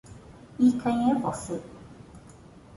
E quem é você?